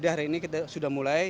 hari ini sudah mulai